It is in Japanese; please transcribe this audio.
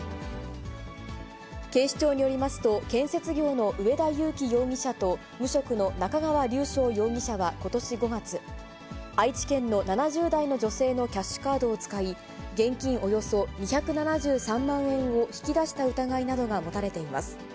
警視庁によりますと、建設業の植田諭亀容疑者と無職の中川龍翔容疑者はことし５月、愛知県の７０代の女性のキャッシュカードを使い、現金およそ２７３万円を引き出した疑いなどが持たれています。